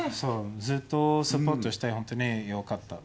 ずっとサポートして本当によかった。